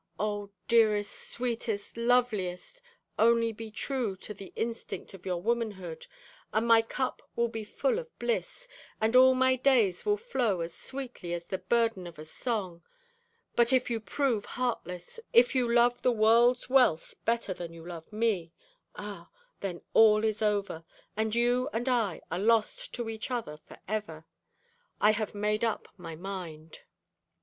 Oh, dearest, sweetest, loveliest, only be true to the instinct of your womanhood, and my cup will be full of bliss, and all my days will flow as sweetly as the burden of a song. But if you prove heartless, if you love the world's wealth better than you love me ah! then all is over, and you and I are lost to each other for ever. I have made up my mind.'